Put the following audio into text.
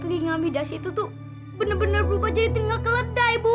telinga midas itu tuh bener bener berubah jadi telinga keledai bu